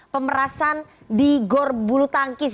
pemerasan di gor bulutangkis